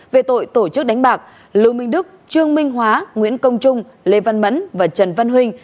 về tội tổ chức đánh bạc lưu minh đức trương minh hóa nguyễn công trung lê văn mẫn và trần văn huynh